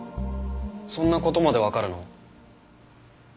そんな事までわかるの？